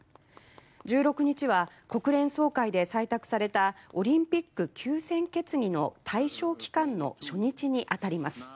１６日は国連総会で採択されたオリンピック休戦決議の対象期間の初日に当たります。